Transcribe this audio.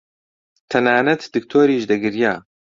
تەنانەت دکتۆریش دەگریا.